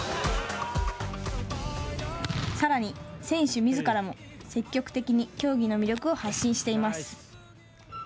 さらに選手みずからも積極的に競技の魅力を発信しています。